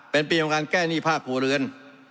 เป็นปีของการแก้หนี้ภาคครัวเรือน